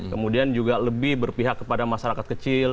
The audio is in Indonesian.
kemudian juga lebih berpihak kepada masyarakat kecil